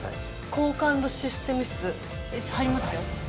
「高感度システム室」入りますよ。